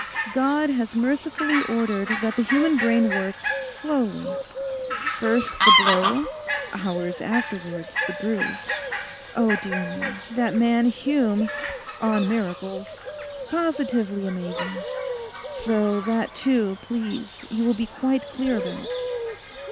God has mercifully ordered that the human brain works slowly; first the blow, hours afterwards the bruise. Oh, dear me, that man Hume—"on miracles"—positively amazing! So that too, please, you will be quite clear about.